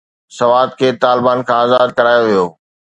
سوات کي طالبان کان آزاد ڪرايو ويو.